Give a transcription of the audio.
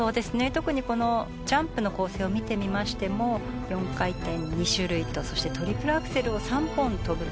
特にこのジャンプの構成を見てみましても４回転２種類とそしてトリプルアクセルを３本跳ぶという。